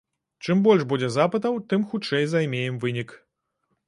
Чым больш будзе запытаў, тым хутчэй займеем вынік.